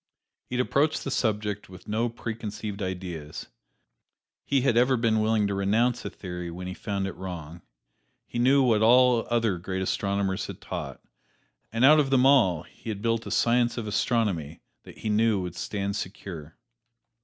He had approached the subject with no preconceived ideas; he had ever been willing to renounce a theory when he found it wrong. He knew what all other great astronomers had taught, and out of them all he had built a Science of Astronomy that he knew would stand secure.